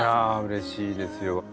あうれしいですよ。